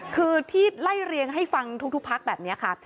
คือที่ไล่เรียงให้ฟังทุกพักแบบนี้ค่ะ